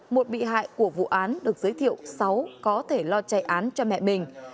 một bị hại của vụ án được giới thiệu sáu có thể lo chạy án cho mẹ mình